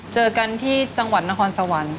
เจอกันที่จังหวัดนครสวรรค์